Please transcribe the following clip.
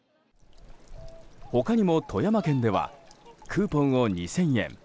他にも、富山県ではクーポンを２０００円